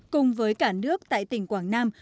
cùng với cả nước tại tỉnh quảng nam